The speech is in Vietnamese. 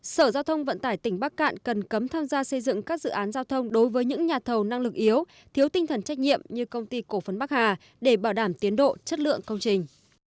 sở giao thông vận tải tỉnh bắc cạn cần cấm tham gia xây dựng các dự án giao thông đối với những nhà thầu năng lực yếu thiếu tinh thần trách nhiệm như công ty cổ phần bắc hà để bảo đảm tiến độ chất lượng công trình